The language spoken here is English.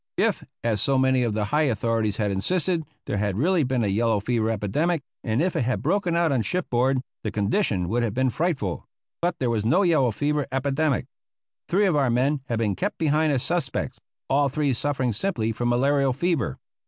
If, as so many of the high authorities had insisted, there had really been a yellow fever epidemic, and if it had broken out on shipboard, the condition would have been frightful; but there was no yellow fever epidemic. Three of our men had been kept behind as suspects, all three suffering simply from malarial fever.